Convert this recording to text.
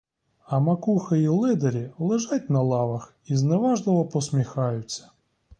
А макухи й ледарі лежать на лавах і зневажливо посміхаються.